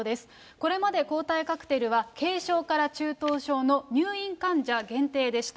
これまで抗体カクテルは軽症から中等症の入院患者限定でした。